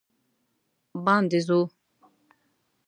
باندې ځو